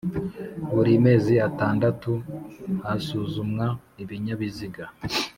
Buri mezi atandatu hasuzumwa ibinyabiziga